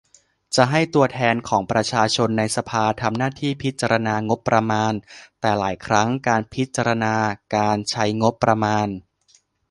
จะให้ตัวแทนของประชาชนในสภา ทำหน้าที่พิจารณางบประมาณ แต่หลายครั้งการพิจารณาการใช้งบประมาณ